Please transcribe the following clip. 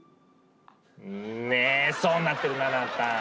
寝そうになってるなまた。